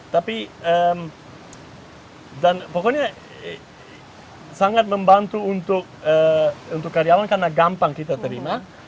tapi dan pokoknya sangat membantu untuk karyawan karena gampang kita terima